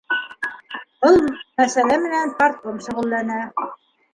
Был мәсьәлә менән партком шөғөлләнә.